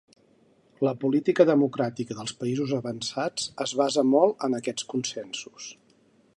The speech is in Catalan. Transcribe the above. La política democràtica dels països avançats es basa molt en aquests consensos.